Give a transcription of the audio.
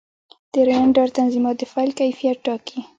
د رېنډر تنظیمات د فایل کیفیت ټاکي.